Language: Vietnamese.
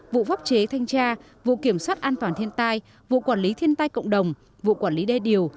vụ pháp chế thanh tra vụ kiểm soát an toàn thiên tai vụ quản lý thiên tai cộng đồng vụ quản lý đê điều